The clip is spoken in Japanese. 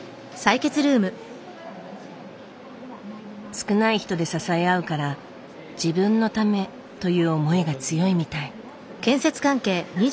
少ない人で支え合うから自分のためという思いが強いみたい。